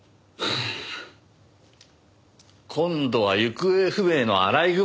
今度は行方不明のアライグマ捜しですか。